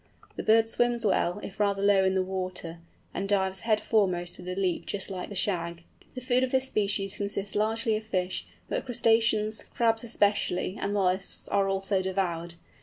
The bird swims well, if rather low in the water, and dives head foremost with a leap just like the Shag. The food of this species consists largely of fish, but crustaceans, crabs especially, and molluscs are also devoured.